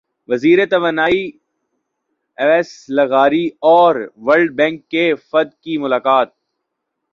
وزیر توانائی اویس لغاری سے ورلڈ بینک کے وفد کی ملاقات